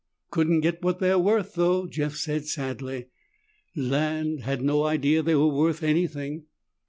"Couldn't get what they're worth, though," Jeff said sadly. "Land! Had no idea they were worth anything."